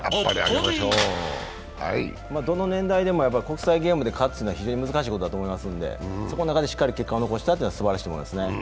どの年代でも国際ゲームで勝つのは非常に難しいと思うんでそこの中でしっかり結果を残したのはすばらしいことですね。